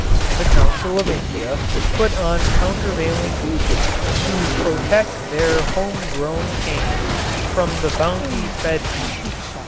The Council of India put on countervailing duties to protect their homegrown cane from the bounty fed beet.